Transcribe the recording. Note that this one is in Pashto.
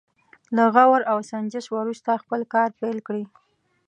له غور او سنجش وروسته خپل کار پيل کړي.